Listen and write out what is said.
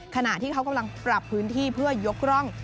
ขณะที่เขากำลังปรับพื้นที่เพื่อยกร่อง